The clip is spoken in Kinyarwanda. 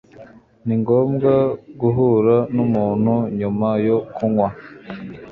Ningomba guhura numuntu nyuma yo kunywa.